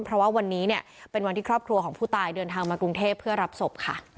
เพราะว่าวันนี้เนี่ยเป็นวันที่ครอบครัวของผู้ตายเดินทางมากรุงเทพเพื่อรับศพค่ะ